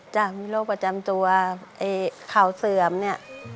ใช่โรคประจำตัวไอคราวเสื่อมเนี่ย